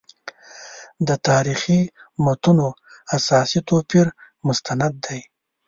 د تاریخي متونو اساسي توپیر مستند دی.